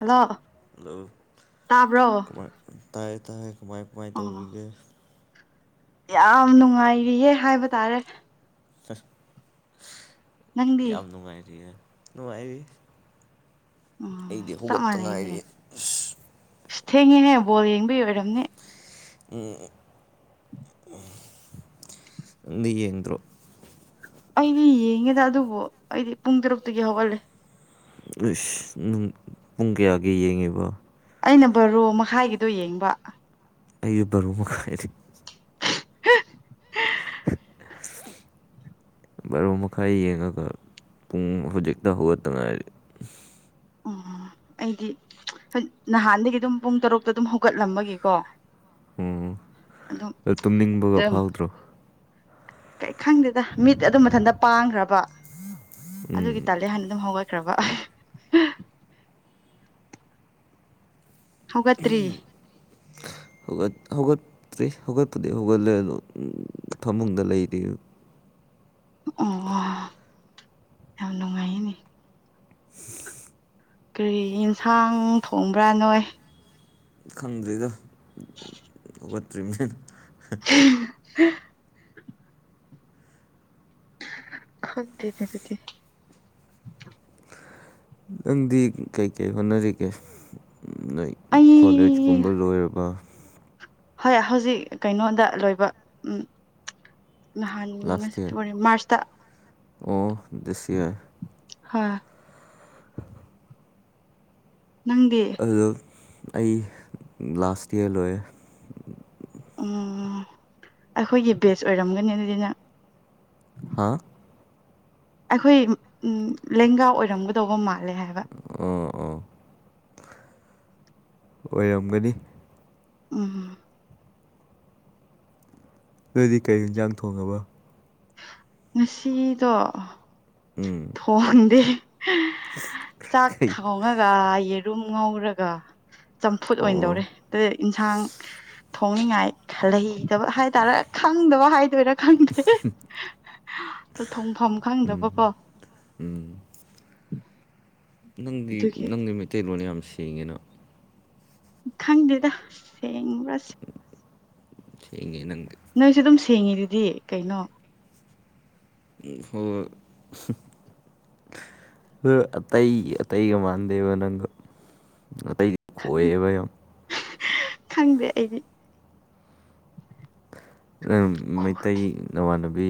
hello hello ꯀꯃꯥꯏ ꯇꯥꯏꯌ‌ꯦ ꯇꯥꯏꯌ‌ꯦ ꯀꯃꯥꯏ ꯀꯃꯥꯏ ꯑꯣ ꯇꯧꯔꯤꯒꯦ ꯌꯥꯝ ꯅꯨꯡꯉꯥꯏꯔꯤꯌꯦ ꯍꯥꯏꯕ ꯇꯥꯔꯦ ꯅꯪꯗꯤ ꯌꯥꯝ ꯅꯨꯡꯉꯥꯏꯔꯤꯌꯦ ꯅꯨꯡꯉꯥꯏꯔꯤ ꯑꯩꯗꯤ ꯎꯝ ꯆꯞ ꯍꯧꯒꯠꯇ ꯃꯥꯟꯅꯩꯅꯦ ꯉꯥꯏꯔꯤ ꯑꯁ ꯑꯁ ꯊꯦꯡꯉꯤꯍ‌ꯦ ꯕꯣꯜ ꯌꯦꯡꯕꯩ ꯑꯣꯏꯔꯝꯅꯤ ꯎꯝ ꯅꯪꯗꯤ ꯌꯦꯗ꯭ꯔꯣ ꯑꯩꯗꯤ ꯌꯦꯡꯉꯤꯗ ꯑꯗꯨꯕꯨ ꯑꯩꯗꯤ ꯄꯨꯡ ꯇꯔꯨꯛꯇꯒꯤ ꯍꯧꯒꯠꯂꯦ ꯏꯁ ꯅꯪ ꯄꯨꯡ ꯀꯌꯥꯒꯤ ꯌꯦꯡꯉꯤꯕ ꯑꯩꯅ ꯕꯥꯔꯣ ꯃꯈꯥꯏꯒꯤꯗꯣ ꯌꯦꯡꯕ ꯑꯩꯒꯤ ꯕꯥꯔꫭ ꯃꯈꯥꯏꯗꯤ [unintelligible] ꯕꯥꯔꯣ ꯃꯈꯥꯏ ꯌꯦꯡꯉꯒ ꯄꯨꯡ ꯍꯧꯖꯤꯛꯇ ꯍꯧꯒꯠꯇ ꯉꯥꯏꯔꯤ ꯎꯝ ꯑꯩꯗꯤ ꯅꯍꯥꯟꯗꯒꯤ ꯑꯗꯨꯝ ꯄꯨꯡ ꯇꯔꯨꯛꯇ ꯑꯗꯨꯝ ꯍꯧꯒꯠꯂꯝꯕꯒꯤꯀꯣ ꯑꯣ ꯑꯗꯨꯝ ꯑꯗꯨ ꯇꯨꯝꯅꯤꯡꯕꯒ ꯑꯗꯨꯝ ꯐꯥꯎꯗ꯭ꯔꯣ ꯀꯩ ꯈꯪꯗꯦꯗ ꯃꯤꯠ ꯑꯗꯨ ꯃꯊꯟꯇ ꯄꯥꯡꯈ꯭ꯔꯕ ꯑꯗꯨꯒꯤ ꯇꯟꯂꯦ ꯍꯥꯟꯅ ꯑꯗꯨꯝ ꯍꯧꯒꯠꯈ꯭ꯔꯕ ꯍꯧꯒꯠꯇ꯭ꯔꯤ ꯍꯧꯒꯠ ꯍꯧꯒꯠ ꯇ꯭ꯔꯤ ꯍꯧꯒꯠꯄꯗꯤ ꯍꯧꯒꯠꯂꯦ ꯑꯗꯣ ꯐꯃꯨꯡꯗ ꯂꯩꯔꯤ ꯑꯣ ꯌꯥꯝ ꯅꯨꯡꯉꯥꯏꯅꯦ [unintelligible] ꯀꯔꯤ ꯌꯦꯟꯁꯥꯡ ꯊꯣꯡꯕ꯭ꯔꯥ ꯅꯣꯏ ꯈꯪꯗ꯭ꯔꯤꯗꯣ ꯍꯧꯒꯠꯇ꯭ꫪꯤꯃꯤꯅ [unintelligible] ꯈꯪꯗꯦꯅꯦ ꯑꯗꯨꯗꯤ ꯅꯪꯗꯤ ꯀꯩꯀꯩ ꯍꯣꯠꯅꯔꯤꯒꯦ ꯅꯣꯏ ꯀꯣꯂꯦꯖ ꯑꯩ ꯀꯨꯝꯕ ꯂꯣꯏꯔꯕ꯭ꯔꯥ ꯍꯣꯏ ꯍꯧꯖꯤꯛ ꯀꯩꯅꯣꯗ ꯂꯣꯏꯕ ꯎꯝ ꯅꯍꯥꯟ ꯉꯁꯤ ꯂꯥꯁ ꯏꯌꯥꯔ ꯐꯦꯕꯨꯋꯥꯔꯤ ꯃ꯭ꯔꯥꯁꯇ ꯑꯣ ꯗꯤꯁ ꯌꯥꯔ ꯍꯣꯏ ꯅꯪꯗꯤ ꯑꯗꯨ ꯑꯩ ꯂꯥꯁ ꯌꯥꯔ ꯂꯣꯏꯌ‌ꯦ ꯑꫭ ꯑꯩꯈꯣꯏꯒꯤ ꯕꯦꯁ ꯑꯣꯏꯔꯝꯒꯅꯤ ꯑꯗꯨꯗꯤ ꯅꯪ ꯍꯥꯥ ꯑꯩꯈꯣꯏ ꯎꯝ ꯂꯦꯡꯒꯥ ꯑꯣꯏꯔꯝꯒꯗꯧꯕ ꯃꯥꯜꯂꯦ ꯍꯥꯏꯕ ꯑꫭ ꯑꯣ ꯑꯣꯏꯔꯝꯒꯅꯤ ꯎꯝ ꯅꫭꯏꯗꯤ ꯀꯩ ꯌꯦꯟꯖꯥꯡ ꯊꯣꯡꯉꯕ ꯉꯁꯤꯗꯣ ꯎꯝ ꯊꯣꯡꯗꯦ ꯆꯥꯛ ꯀꯩ ꯊꯣꯡꯉꯒ ꯌꯦꯔꯨꯝ ꯉꯧꯔꯒ ꯆꯝꯐꯨꯠ ꯑꯣ ꯑꯣꯏꯅ ꯑꯣ ꯗꯧꯔꯦ ꯑꯗꯨ ꯏꯟꯁꯥꯡ ꯊꯣꯡꯅꯤꯉꯥꯏ ꯈꯜ ꯂꯩ ꯗꯕ ꯍꯥꯏ ꯇꯔꯦ ꯈꯪꯗꯕ ꯍꯥꯏꯗꯣꯏꯔꯥ ꯈꯪꯗꯦ ꯗꯣ ꯊꯣꯡꯐꯝ ꯈꯪꯗꯕꯀꯣ ꯎꯝ [inaudible] ꯅꯪꯗꯤ ꯑꯗꯨꯒꯤ ꯅꯪꯗꯤ ꯃꯩꯇꯩꯂꯣꯟ ꯌꯥꯝ ꯁꯦꯡꯉꯤꯅ ꯈꯪꯗꯦꯗ ꯁꯦꯡꯕ꯭ꯔ ꯁꯦ ꯁꯦꯡꯉꯦ ꯅꯪꯗꯣ ꯅꯪꯖꯨ ꯑꯗꯨꯝ ꯁꯦꯡꯉꯤꯗꯨꯗꯤ ꯀꯩꯅꯣ [unintelligible] [unintelligible] ꯑꯇꯩꯒꯤ ꯑꯇꯩꯒ ꯃꯥꯟꯗꯦꯕ ꯅꯪꯗꯣ ꯑꯇꯩ ꯈꯣꯋꯦꯕ ꯌꯥꯝ ꯈꯪꯗꯦ ꯑꯩꯗꯤ ꯅꯪ ꯃꯩꯇꯩ ꯅꯃꯥꯟꯅꯕꯤ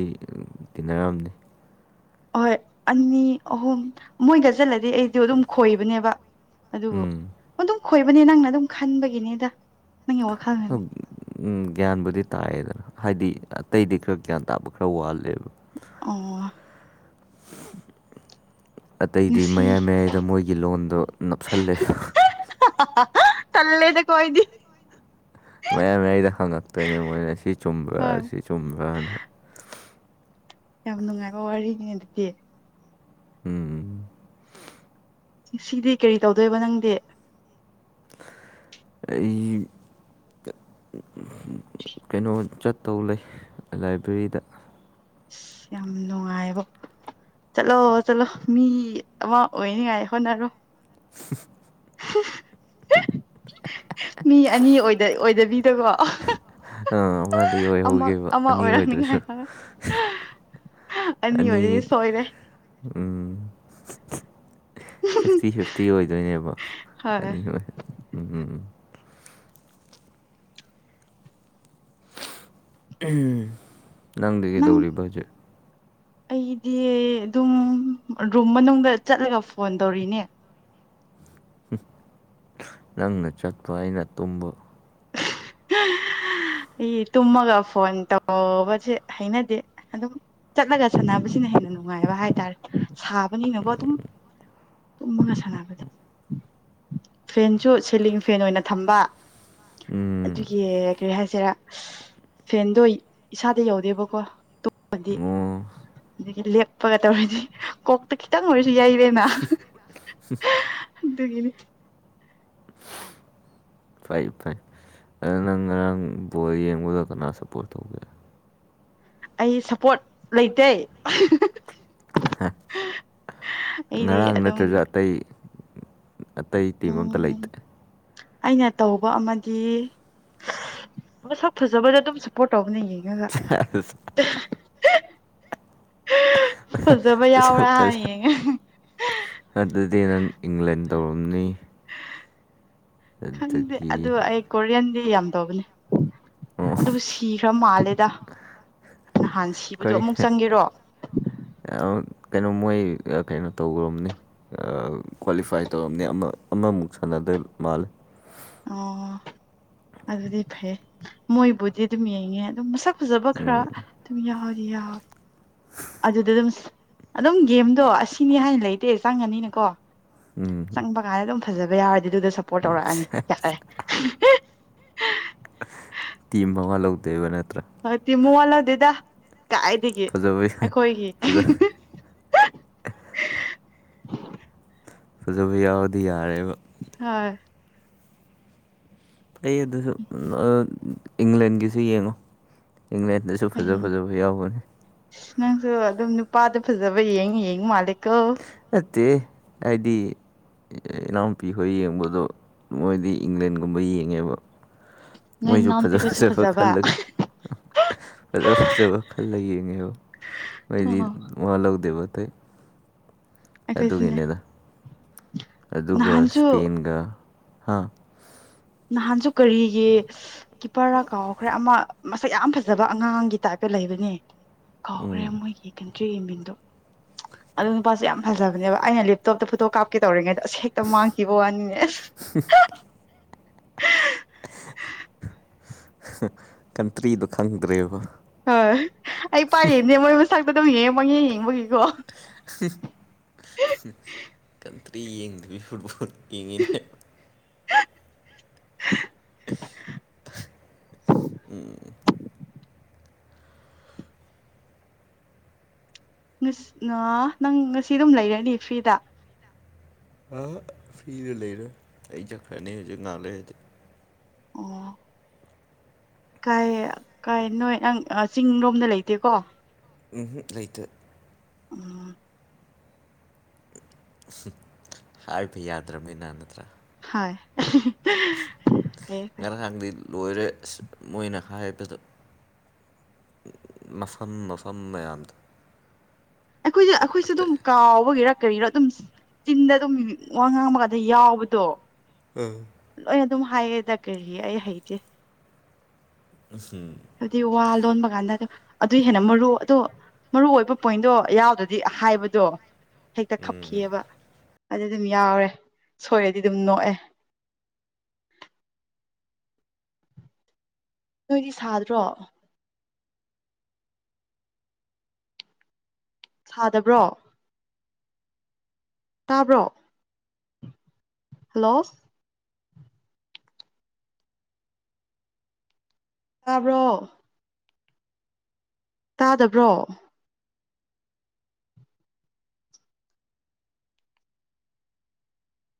ꯇꯤꯟꯅꯔꯝꯅꯤ ꯑꯍꯣꯏ ꯑꯅꯤ ꯑꯍꯨꯝ ꯃꯣꯏꯗ ꯆꯠꯂꯗꯤ ꯑꯩꯗꯣ ꯑꯗꯨꯝ ꯈꯣꯏꯕꯅꯦꯕ ꯑꯗꯨꯕꯨ ꯎꯝ ꯑꯗꯨꯝ ꯈꯣꯏꯕꯅꯦ ꯅꯪꯅ ꯑꯗꯨꯝ ꯈꯟꯕꯒꯤꯅꯦꯗ [unintelligible] ꯎꯝ ꯒ꯭ꯌꯥꯟꯕꯨꯗꯤ ꯇꯥꯏꯌꯦꯗ ꯍꯥꯏꯗꯤ ꯑꯇꯩꯗꯤ ꯈꯔ ꯒ꯭ꯌꯥꯟ ꯇꯥꯕ ꯈꯔ ꯋꯥꯠꯂꯦꯕ ꯑꯣ [unintelligible] ꯑꯇꯩꯗꯤ ꯉꯁꯤ ꯃꯌꯥꯏ ꯃꯌꯥꯏꯗ ꯃꯣꯏꯒꯤ ꯂꯣꯟꯗꯣ ꯅꯞꯁꯜꯂꯦ ꯇꯜꯂꯦꯗꯀꯣ ꯑꯩꯗꯤ ꯃꯌꯥꯏ ꯃꯌꯥꯏꯗ ꯍꯪꯉꯛꯇꯣꯏꯅꯦ ꯃꯣꯏꯅ ꯁꯤ ꯆꯨꯝꯕ꯭ꯔꯥ ꯍꯣꯏ ꯁꯤ ꯆꯨꯝꯕ꯭ꯔꯅ ꯌꯥꯝ ꯅꯨꯡꯉꯥꯏꯕ ꯋꯥꯔꯤꯅꯤ ꯑꯗꯨꯗꯤ ꯎꯝ ꯉꯁꯤꯗꯤ ꯀꯔꯤ ꯇꯧꯗꯣꯏꯕ ꯅꯪꯗꯤ ꯑꯩ ꯀꯩꯅꯣ ꯆꯠꯇꯧ ꯂꯩ ꯂꯥꯏꯕ꯭ꯔꯦꯔꯤꯗ ꯌꯥꯝ ꯅꯨꯡꯉꯥꯏꯕ ꯆꯠꯂꯣ ꯆꯠꯂꯣ ꯃꯤ ꯑꯃ ꯑꯣꯏꯅꯤꯉꯥꯏ ꯍꯣꯠꯅꯔꯣ [unintelligible] ꯃꯤ ꯑꯅꯤ ꯑꯣꯏꯗ ꯑꯣꯏꯗꯕꯤꯗꯀꯣ ꯑ ꯑꯃꯗꯤ ꯑꯃ ꯑꯣꯏꯍꯧꯒꯤꯕ ꯑꯃ ꯑꯅꯤ ꯑꯣꯏꯗꯣꯏ ꯑꯣꯏꯔꯛꯅꯤꯉꯥꯏ ꯁꯔꯨꯛ ꯍꯣꯠꯅ ꯑꯅꯤ ꯑꯣꯏꯔꯗꯤ ꯁꯣꯏꯔꯦ ꯎꯝ ꯐꯤꯐꯇꯤ ꯐꯤꯐꯇꯤ ꯑꯣꯏꯗꯣꯏꯅꯦꯕꯣ ꯍꯣꯏ ꯑꯅꯤ ꯈꯛ ꯑꯣꯏ ꯎꯝ ꯎꯝ ꯅꯪꯗꯤ ꯅꯪ ꯀꯩꯗꯧꯔꯤꯕ ꯍꯧꯖꯤꯛ ꯑꯩꯗꯤ ꯑꯗꯨꯝ ꯔꯨꯝ ꯃꯅꯨꯡꯗ ꯆꯠꯂꯒ ꯐꯣꯟ ꯇꯧꯔꯤꯅꯦ ꯍꯨꯝ ꯅꯪꯅ ꯆꯠꯄ ꯑꯩꯅ ꯇꯨꯝꯕ [inaudible] ꯑꯩꯗꯤ ꯇꯨꯝꯃꯒ ꯐꯣꯟ ꯇꯧꯕꯁꯦ ꯍꯩꯅꯗꯦ ꯑꯗꯨꯝ ꯆꯠꯂꯒ ꯁꯥꯟꯅꯕꯁꯤꯅ ꯍꯦꯟꯅ ꯅꯨ ꯅꯨꯡꯉꯥꯏꯕ ꯍꯥꯏꯇꯥꯥꯔꯦ ꯁꯥꯕꯅꯤꯅ ꯀꯣ ꯑꯗꯨꯝ ꯇꯨꯝꯃꯒ ꯁꯥꯟꯅꯕꯗ ꯐꯦꯟꯁꯨ ꯁꯤꯂꯤꯡ ꯐꯦꯟ ꯑꯣꯏꯅ ꯊꯝꯕ ꯎꯝ ꯑꯗꯨꯒꯤ ꯀꯔꯤ ꯍꯥꯏꯁꯤꯔꯥ ꯐꯦꯟꯗꯣ ꯏꯁꯥꯗ ꯌꯧꯗꯦꯕꯀꯣ ꯇꯨꯝ ꯑꯣ ꯑꯗꯒꯤ ꯂꯦꯛꯄꯒ ꯇꯧꯔꯤꯅꯤ ꯀꯣꯛꯇ ꯈꯤꯇꯪ ꯑꯣꯏꯔꯁꯨ ꯌꯩꯔꯦꯅ ꯑꯗꯨꯒꯤꯅꯤ [inaudible] ꯐꯩ ꯐꯩ ꯑꯗꯨ ꯅꯪ ꯉꯔꯥꯡ ꯕꯣꯜ ꯌꯦꯡꯕꯗꯣ ꯀꯅꯥ ꯁꯞꯄꯣꯔꯠ ꯇꯧꯒꯦ ꯑꯩ ꯁꯞꯄꯣꯔꯠ ꯂꯩꯇꯦ ꯑꯩꯗꯤ ꯉꯔꯥꯡ ꯑꯗꯨꯝ ꯅꯠꯇ꯭ꯔꯁꯨ ꯑꯇꯩ ꯑꯇꯩ ꯇꯤꯝ ꯑꯝꯇ ꯂꯩꯇꯦ ꯎꯝ ꯑꯩꯅ ꯇꯧꯕ ꯑꯃꯗꯤ ꯃꯁꯛ ꯐꯖꯕꯗ ꯑꯗꯨꯝ ꯁꯄꯣꯠ ꯇꯧꯕꯅꯦ ꯌꯦꯡꯉꯒ ꯐꯖꯕ ꯌꯥꯎꯕ꯭ꯔꯥ ꯍꯥꯟꯅ ꯌꯦꯡꯉꯦ ꯑꯗꯨꯗꯤ ꯅꯪ ꯏꯪꯂꯦꯟ ꯇꯧꯔꯝꯅꯤ ꯈꯪꯗꯦ ꯑꯗꯒꯤ ꯑꯗꯨ ꯑꯩ ꯀꯣꯔꯤꯌꯥꯟꯗꯤ ꯌꯥꯝ ꯇꯧꯕꯅꯦ ꯑꯣ ꯑꯗꯨꯕꯨ ꯁꯤꯈ꯭ꯔ ꯃꯥꯜꯂꯦꯗ ꯅꯍꯥꯟ ꯁꯤꯕꯗꯣ ꯑꯃꯨꯛ ꯆꯪꯒꯦꯔꯣ ꯑꯡꯀꯩꯅꯣ ꯃꯣꯏ ꯀꯩꯅꯣ ꯇꯧꯒ꯭ꯔꯕꯅꯤ ꯑ ꯀ꯭ꯋꯥꯂꯤꯐꯥꯏ ꯇꯧꯔꯝꯅꯦ ꯑꯃ ꯑꯃꯃꯨꯛ ꯁꯥꯟꯅꯗꯣꯏ ꯃꯥꯂꯦ ꯑꯣ ꯑꯗꯨꯗꯤ ꯐꯩꯌꯦ ꯃꯣꯏꯕꯨꯗꯤ ꯑꯗꯨꯝ ꯌꯦꯡꯉꯦ ꯑꯗꯨꯝ ꯃꯁꯛ ꯐꯖꯕ ꯈꯔ ꯑꯗꯨꯝ ꯌꯥꯎꯗꯤ ꯌꯥꯎꯋꯦ ꯑꯗꯨꯗ ꯑꯗꯨꯝ ꯑꯗꯨꯝ ꯒꯦꯝꯗꯣ ꯑꯁꯤꯅꯤ ꯍꯥꯏꯅ ꯂꯩꯇꯦ ꯆꯪꯉꯅꯤꯅꯀꯣ ꯆꯪꯕ ꯀꯥꯟꯗ ꯑꯗꯨꯝ ꯐꯖꯕ ꯌꯥꯎꯔꯗꯤ ꯑꯗꯨꯗ ꯁꯞꯄꯣꯔꯠ ꯇꯧꯔꯛꯑꯅꯤ ꯌꯥꯔꯦ ꯇꯤꯝ ꯃꯋꯥ ꯂꯧꯗꯦꯕ ꯅꯠꯇ꯭ꯔꯥ ꯍꯣꯏ ꯇꯤꯝ ꯃꯋꯥ ꯂꯧꯗꯦꯗ ꯀꯥꯏꯗꯒꯤ ꯐꯖꯕ ꯑꯩꯈꯣꯏꯒꯤ ꯐꯖꯕ ꯌꯥꯎꯔꯗꯤ ꯌꯥꯔꯦꯕ ꯍꯣꯏ ꯐꯩ ꯑꯗꯨꯁꯨ ꯑ ꯏꯪꯂꯦꯟꯒꯤꯁꯨ ꯌꯦꯡꯉꯣ ꯏꯪꯂꯦꯟꯗꯁꯨ ꯁꯨ ꯐꯖ ꯍꯌꯦꯡ ꯐꯖꯕ ꯌꯥꯎꯕꯅꯤ ꯅꯪꯁꯨ ꯑꯗꯨꯝ ꯅꯨꯄꯥꯗ ꯐꯖꯕ ꯌꯦꯡ ꯌꯦꯡꯕ ꯃꯥꯜꯂꯦ ꯀꯣ ꯅꯠꯇꯦꯍꯦ ꯍꯥꯏꯗꯤ ꯏꯅꯥꯎ ꯅꯨꯄꯤ ꯍꯣꯏ ꯌꯦꯡꯕꯗꯣ ꯃꯣꯏꯗꯤ ꯏꯪꯂꯦꯟꯒꯨꯝꯕ ꯌꯦꯡꯉꯦꯕ ꯅꯣꯏ ꯃꯣꯏꯁꯨ ꯐꯖ ꯏꯅꯥꯎꯅꯨꯄꯤꯈꯣꯏꯁꯨ ꯐꯖꯕ ꯈꯜꯂꯒ ꯐꯖ ꯐꯖꯕ ꯈꯜꯂ ꯌꯦꯡꯉꯦꯕ ꯃꯣꯏꯗꯤ ꯑꯣ ꯃꯋꯥ ꯂꯧꯗꯦꯕ ꯑꯇꯩ ꯑꯩꯈꯣꯏꯁꯨꯅꯦ ꯑꯗꯨꯒꯤꯅꯦꯗ ꯑꯗꯨꯒ ꯅꯍꯥꯟꯁꯨ ꯁ꯭ꯄꯦꯟꯒ ꯍꯥ ꯅꯍꯥꯟꯁꯨ ꯀꯔꯤꯒꯤ ꯀꯤꯄꯔꯔꯥ ꯀꯥꯎꯈ꯭ꯔꯦ ꯑꯃ ꯃꯁꯛ ꯌꯥꯝ ꯐꯖꯕ ꯑꯉꯥꯡꯒꯤ ꯇꯥꯏꯞꯇ ꯂꯩꯕꯅꯦ ꯀꯥꯎꯈ꯭ꯔꯦ ꯎꯝ ꯃꯣꯏꯒꯤ ꯀꯦꯝꯇ꯭ꯔꯤ ꯌꯦꯡꯕꯤꯟꯗꯣ ꯑꯗꯨ ꯅꯨꯄꯥꯁꯨ ꯌꯥꯝ ꯐꯖꯕꯅꯦꯕ ꯑꯩꯅ ꯂꯦꯞꯇꯣꯞꯇ ꯐꯣꯇꯣ ꯀꯥꯞꯀꯦ ꯇꯧꯔꯤꯉꯩꯗ ꯑꯁ ꯍꯦꯛꯇ ꯃꯥꯡꯈꯤꯕ ꯋꯥꯅꯤꯅꯦ ꯀꯟꯇ꯭ꯔꯤꯗꯣ ꯈꯪꯗ꯭ꯔꯦꯕ ꯍꯣꯏ ꯑꯩ ꯄꯥꯛ ꯌꯦꯡꯗꯦ ꯃꯣꯏ ꯃꯁꯛꯇꯣ ꯑꯗꯨꯝ ꯌꯦꯡꯉ ꯄꯪꯌꯦꯡ ꯌꯦꯡꯕꯒꯤꯀꯣ ꯀꯟꯇ꯭ꯔꯤ ꯌꯦꯡꯗꯕꯤ ꯐꯨꯠꯕꯣꯜ ꯌꯦꯡꯉꯤꯅꯦ [unintelligible] ꯎꯝ [unintelligible] ꯅꯪ ꯉꯁꯤ ꯑꯗꯨꯝ ꯂꯩꯔꯅꯤ ꯐ꯭ꯔꯤꯗ ꯑ ꯐ꯭ꯔꯤꯗ ꯂꯩꯔꯣꯏ ꯑꯩ ꯆꯠꯈ꯭ꯔꯅꯤ ꯍꯧꯖꯤꯛ ꯉꯥꯡ ꯂꯩꯔꯗꯤ ꯑꯣ ꯀꯥꯏ ꯀꯥꯏ ꯅꯣꯏ ꯅꯪ ꯆꯤꯡꯔꯣꯝꯗ ꯂꯩꯇꯦꯀꯣ ꯎꯝꯍꯨꯝ ꯂꯩꯇꯦ [inaudible] ꯍꯥꯏꯕꯗꯤ ꯌꯥꯗ꯭ꯔꯕꯅꯤꯅ ꯅꯠꯇ꯭ꯔꯥ ꯍꯥꯏ ꯐꯩꯌꯦ ꯐꯩ ꯅꯥꯡꯗꯤ ꯂꯣꯏꯔꯦ ꯑꯁ ꯃꯣꯏꯅ ꯍꯥꯏꯕꯗ ꯅꯁꯝ ꯅꯁꯝ ꯃꯌꯥꯝꯗ ꯑꯩꯈꯣꯏꯖꯨ ꯑꯩꯈꯣꯏꯁꯨ ꯑꯗꯨꯝ ꯀꯥꯎꯕꯒꯤꯔ ꯀꯔꯤꯒꯤꯔ ꯑꯗꯨꯝ ꯆꯤꯟꯗ ꯑꯗꯨꯝ ꯋꯥ ꯉꯥꯡꯕꯀꯥꯟꯗ ꯌꯥꯎꯕꯗꯣ ꯎꯝ ꯂꯣꯏꯅ ꯑꯗꯨꯝ ꯍꯥꯏꯌꯦꯗ ꯀꯔꯤ ꯑꯩ ꯍꯩꯇꯦ ꯎꯝ ꯍꯨꯝ ꯍꯥꯏꯕꯗꯤ ꯋꯥ ꯂꯣꯟꯕ ꯀꯥꯟꯗꯗꯣ ꯑꯗꯨꯏ ꯍꯦꯟꯅ ꯃꯔꯨ ꯑꯗꯣ ꯃꯔꯨꯑꯣꯏꯕ ꯄꯣꯏꯟꯗꯣ ꯌꯥꯎꯗ꯭ꯔꯗꯤ ꯍꯥꯏꯕꯗꯣ ꯍꯦꯛꯇ ꯎꯝ ꯈꯞꯈꯤꯌꯦꯕ ꯑꯗꯨ ꯑꯗꯨꯝ ꯌꯥꯎꯔꯦ ꯁꯣꯏꯔꯗꯤ ꯑꯗꯨꯝ ꯅꯣꯛꯑꯦ ꯅꯣꯏꯗꯤ ꯁꯥꯗ꯭ꯔꯣ ꯁꯥꯗꯕ꯭ꯔꯣ ꯇꯥꯕ꯭ꯔꯣ ꯍꯜꯂꯣ ꯇꯥꯕ꯭ꯔꯣ ꯇꯥꯗꯕ꯭ꯔꯣ